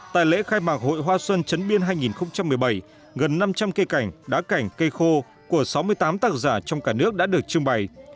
tại lễ khai mạc hội hoa xuân trấn biên hai nghìn một mươi bảy gần năm trăm linh cây cảnh đá cảnh cây khô của sáu mươi tám tác giả trong cả nước đã được trưng bày